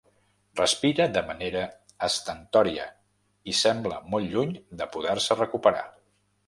Respira de manera estentòria i sembla molt lluny de poder-se recuperar.